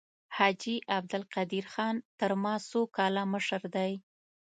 حاجي عبدالقدیر خان تر ما څو کاله مشر دی.